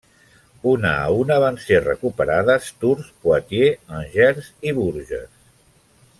Una a una van ser recuperades Tours, Poitiers, Angers i Bourges.